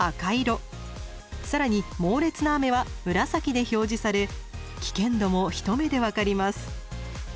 更に「猛烈な雨」は紫で表示され危険度も一目で分かります。